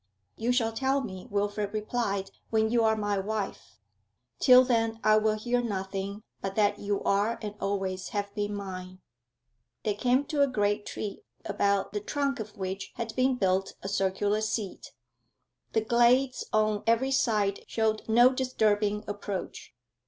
'You shall tell me,' Wilfrid replied, 'when you are my wife. Till then I will hear nothing but that you are and always have been mine.' They came to a great tree about the trunk of which had been built a circular seat. The glades on every side showed no disturbing approach.